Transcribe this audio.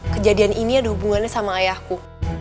kejadian ini ada hubungannya sama ayahku